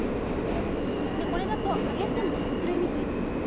これだと揚げてもくずれにくいです。